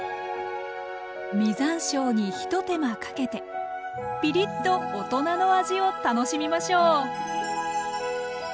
実山椒に一手間かけてピリッと大人の味を楽しみましょう！